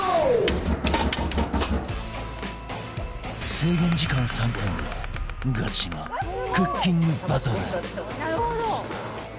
制限時間３分でガチのクッキングバトル